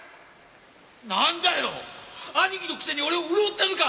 なんだよ兄貴のくせに俺を売ろうってのか！